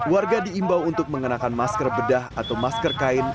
warga diimbau untuk mengenakan masker bedah atau masker kain